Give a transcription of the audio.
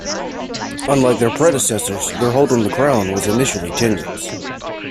Unlike their predecessors, their hold on the crown was initially tenuous.